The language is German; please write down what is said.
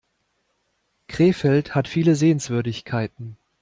Krefeld hat viele Sehenswürdigkeiten